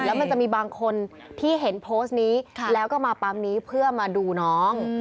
แล้วมันจะมีบางคนที่เห็นโพสต์นี้แล้วก็มาปั๊มนี้เพื่อมาดูน้อง